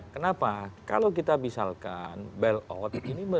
kenapa kalau kita misalkan bil out ini